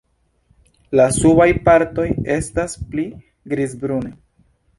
La subaj partoj estas pli grizbrunaj.